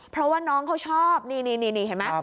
เพราะว่าน้องเขาชอบนี่เห็นไหม